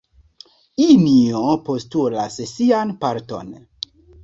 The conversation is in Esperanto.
Injo postulas sian parton.